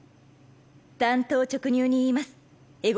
単刀直入に言います絵心さん。